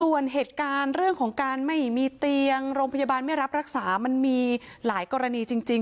ส่วนเหตุการณ์เรื่องของการไม่มีเตียงโรงพยาบาลไม่รับรักษามันมีหลายกรณีจริง